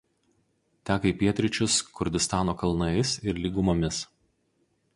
Teka į pietryčius Kurdistano kalnais ir lygumomis.